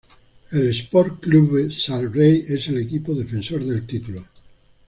El Sport Clube Sal Rei es el equipo defensor del título.